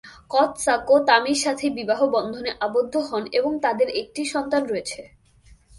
কোতসাকো তামির সাথে বিবাহ বন্ধনে আবদ্ধ হন এবং তাদের একটি সন্তান রয়েছে।